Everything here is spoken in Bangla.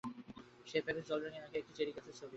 সেই প্যাকেটে জলরঙে আঁকা একটা চেরি গাছের ছবি।